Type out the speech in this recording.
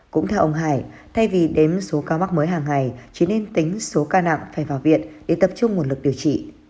cũng theo ông hải thay vì đếm số ca mắc mới hàng ngày chỉ nên tính số ca nặng phải vào viện để tập trung nguồn lực điều trị